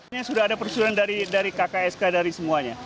ini sudah ada persetujuan dari kksk dari semuanya